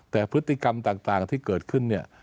แต่พฤติกรรมต่างที่เกิดขึ้นเนี่ย